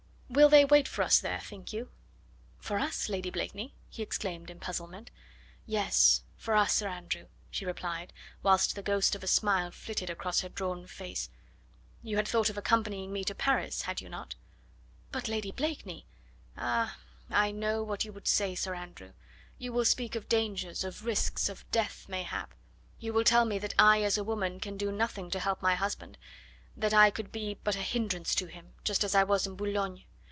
"Will they wait for us there, think you?" "For us, Lady Blakeney?" he exclaimed in puzzlement. "Yes, for us, Sir Andrew," she replied, whilst the ghost of a smile flitted across her drawn face; "you had thought of accompanying me to Paris, had you not?" "But Lady Blakeney " "Ah! I know what you would say, Sir Andrew. You will speak of dangers, of risks, of death, mayhap; you will tell me that I as a woman can do nothing to help my husband that I could be but a hindrance to him, just as I was in Boulogne.